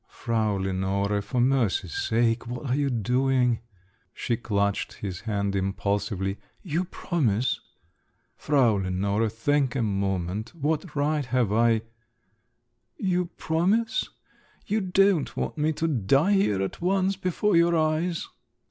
"Frau Lenore! For mercy's sake! What are you doing?" She clutched his hand impulsively. "You promise …" "Frau Lenore, think a moment; what right have I …" "You promise? You don't want me to die here at once before your eyes?"